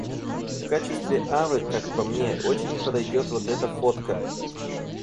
В качестве авы, как по мне, очень подойдёт вот эта фотка.